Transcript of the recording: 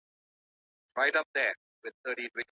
که تمځایونه منظم سي، نو موټرونه پر سړک نه دریږي.